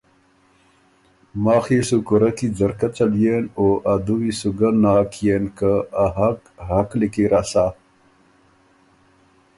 ماخ يې سُو کورۀ کی ځرکۀ څلیېن او ا دُوی سو ناک کيېن که ا حق حق لیکی رسا۔